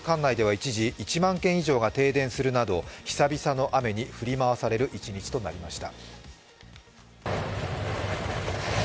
管内では一時、１万軒以上が停電するなど久々の雨に振り回される一日となりました。